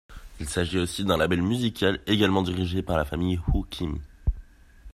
Il s'agit aussi d'un label musical également dirigé par la famille Hoo Kim.